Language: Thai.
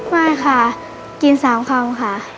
ไม่ค่ะกิน๓คำค่ะ